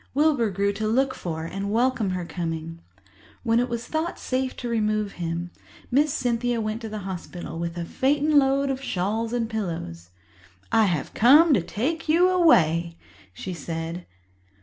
Wilbur grew to look for and welcome her coming. When it was thought safe to remove him, Miss Cynthia went to the hospital with a phaeton load of shawls and pillows. "I have come to take you away," she said.